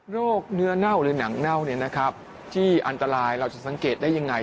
โรคเนื้อเน่าหรือหนังเน่าเนี่ยนะครับที่อันตรายเราจะสังเกตได้ยังไง